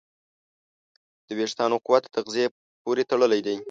د وېښتیانو قوت د تغذیې پورې تړلی دی.